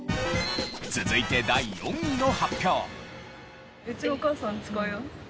続いて第４位の発表。